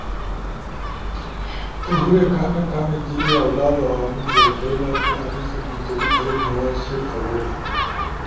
تو ہورے کامیک کامیک جیبے اؤ لالو عوامل رزبئیلا، تو انی ست منسلک ہر ایک مواد شیئر تھو بئیلا۔